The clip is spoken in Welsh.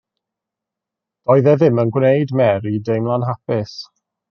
Doedd e ddim yn gwneud i Mary deimlo'n hapus.